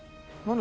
何？